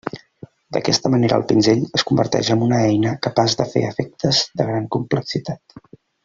D'aquesta manera el pinzell es converteix amb una eina capaç de fer efectes de gran complexitat.